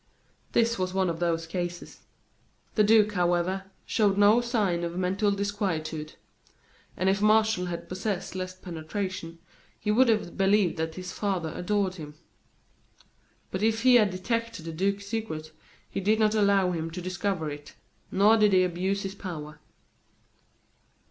This was one of those cases. The duke, however, showed no sign of mental disquietude; and if Martial had possessed less penetration, he would have believed that his father adored him. But if he had detected the duke's secret, he did not allow him to discover it, nor did he abuse his power.